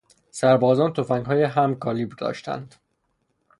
سربازان تفنگهای هم کالیبر داشتند.